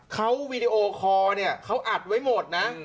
เขาวีดีโอคอร์เนี่ยเขาอัดไว้หมดนะ